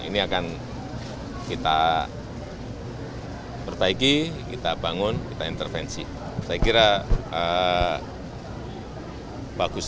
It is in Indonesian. ini akan kita perbaiki kita bangun kita intervensi saya kira bagus